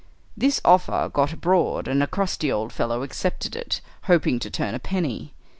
"This offer got abroad, and a crusty old fellow accepted it, hoping to turn a penny.